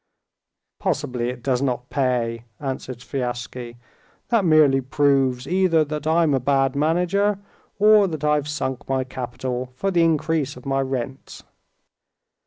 "Possibly it does not pay," answered Sviazhsky. "That merely proves either that I'm a bad manager, or that I've sunk my capital for the increase of my rents."